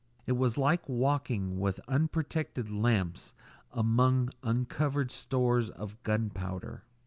It was like walking with unprotected lamps among uncovered stores of gun powder.